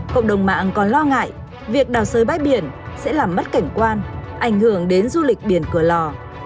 cộng đồng mạng còn lo ngại việc đảo rơi bãi biển sẽ làm mất cảnh quan ảnh hưởng đến du lịch biển cửa lò